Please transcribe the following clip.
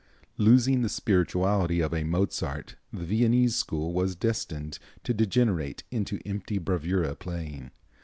Losing the spirituality of a Mozart the Viennese school was destined to degenerate into empty bravura playing.